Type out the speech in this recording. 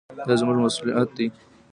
دا زموږ مسوولیت دی.